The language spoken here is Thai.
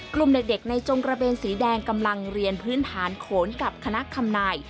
กลุ่มเด็กในจงกระเบนสีแดงกำลังเรียนพื้นฐานโขนกับคณะคำนาย